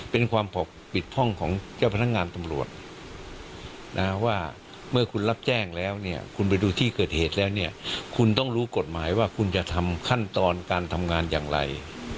เป็นความปกปิดพ่องของเจ้าพนักงานตำรวจนะว่าเมื่อคุณรับแจ้งแล้วเนี่ยคุณไปดูที่เกิดเหตุแล้วเนี่ยคุณต้องรู้กฎหมายว่าคุณจะทำขั้นตอนการทำงานอย่างไร